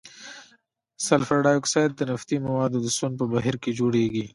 سلفر ډای اکساید د نفتي موادو د سون په بهیر کې جوړیږي.